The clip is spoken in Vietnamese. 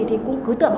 thì cũng cứ tưởng